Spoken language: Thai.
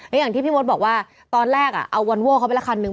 อย่างที่พี่โมทบอกว่าตอนแรกอะเอาวันว่อเค้าไปละคันหนึ่ง